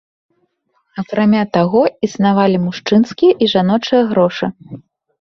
Акрамя таго, існавалі мужчынскія і жаночыя грошы.